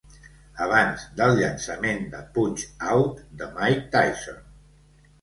Abans del llançament de Punch-Out!! de Mike Tyson